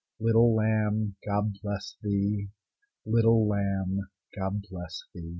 Little lamb, God bless thee! Little lamb, God bless thee!